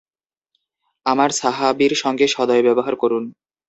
আমার সাহাবীর সঙ্গে সদয় ব্যবহার করুন।